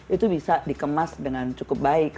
itu bisa dikemas dengan cukup baik